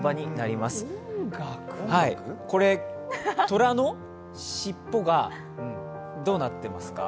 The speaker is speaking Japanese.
とらの尻尾がどうなってますか？